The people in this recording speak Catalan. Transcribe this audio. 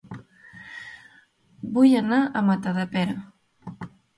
Vull anar a Matadepera